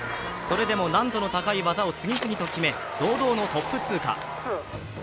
それでも難度の高い技を次々と決め、堂々のトップ通過。